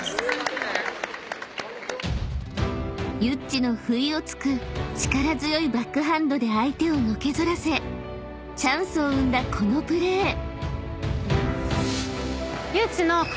［ユッチの不意をつく力強いバックハンドで相手をのけ反らせチャンスを生んだこのプレー］